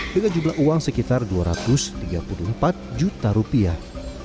dengan jumlah uang sekitar dua ratus tiga puluh empat juta rupiah